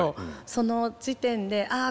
その時点でああ